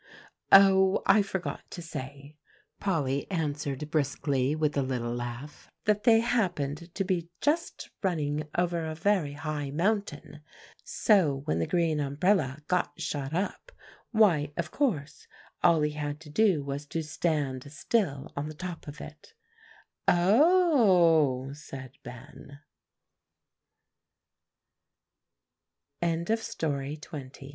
"Oh! I forgot to say," Polly answered briskly, with a little laugh, "that they happened to be just running over a very high mountain. So when the green umbrella got shut up, why, of course, all he had to do was to stand sti